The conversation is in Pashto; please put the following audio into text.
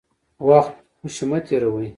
وخت خوشي مه تېروئ.